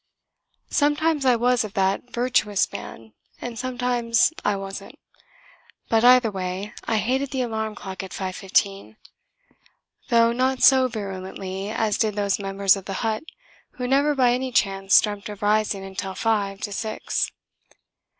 Sometimes I was of that virtuous band, and sometimes I wasn't; but, either way, I hated the alarm clock at 5.15, though not so virulently as did those members of the hut who never by any chance dreamt of rising until five to six.